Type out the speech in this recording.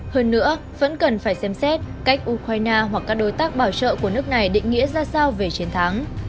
hơn nữa vẫn cần phải xem xét cách ukraine hoặc các đối tác bảo trợ của nước này định nghĩa ra sao về chiến thắng